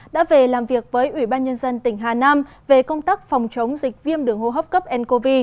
đã về làm việc với ủy ban nhân dân tỉnh hà nam về công tác phòng chống dịch viêm đường hô hấp cấp ncov